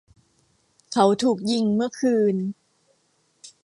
เขาถูกยิงเมื่อคืน